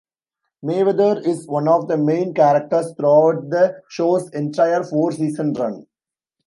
Mayweather is one of the main characters throughout the show's entire four-season run.